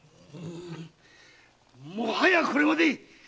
もはやこれまで。